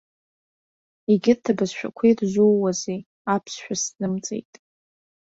Егьырҭ абызшәақәа ирзууазеи, аԥсшәа сзымҵеит!